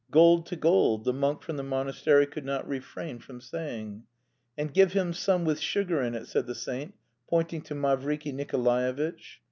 "Gold to gold," the monk from the monastery could not refrain from saying. "And give him some with sugar in it," said the saint, pointing to Mavriky Nikolaevitch.